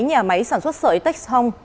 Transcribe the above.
nhà máy sản xuất sợi texhong